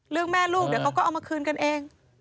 แม่ลูกเดี๋ยวเขาก็เอามาคืนกันเอง